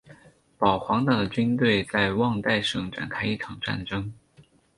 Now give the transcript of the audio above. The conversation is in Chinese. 保皇党的军队在旺代省展开一场战争。